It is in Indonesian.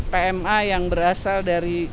pma yang berasal dari